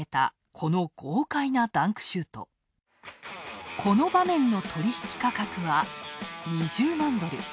この場面の取引価格は２０万ドル。